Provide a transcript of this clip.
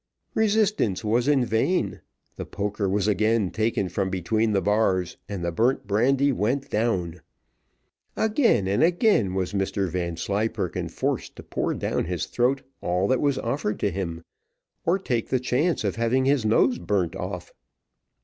Resistance was in vain, the poker was again taken from between the bars, and the burnt brandy went down. Again and again was Mr Vanslyperken forced to pour down his throat all that was offered to him, or take the chance of having his nose burnt off.